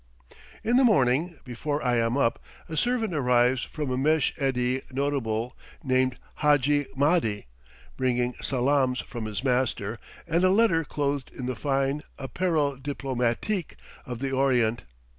In the morning, before I am up, a servant arrives from a Mesh edi notable named Hadji Mahdi, bringing salaams from his master, and a letter clothed in the fine "apparel diplomatique" of the Orient.